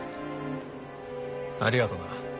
ありがとな。